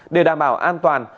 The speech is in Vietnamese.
để đảm bảo an toàn